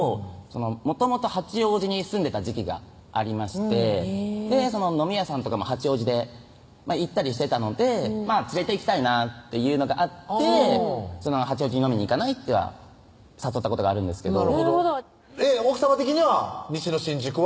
もともと八王子に住んでた時期がありまして飲み屋さんとかも八王子で行ったりしてたので連れていきたいなっていうのがあって「八王子に飲みに行かない？」とは誘ったことがあるんですけど奥さま的には西の新宿は？